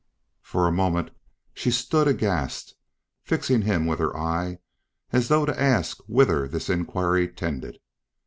For a moment she stood aghast, fixing him with her eye as though to ask whither this inquiry tended.